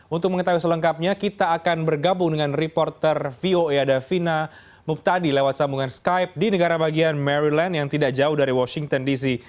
untuk mengetahui selengkapnya kita akan bergabung dengan reporter voe ada vina muptadi lewat sambungan skype di negara bagian maryland yang tidak jauh dari washington dc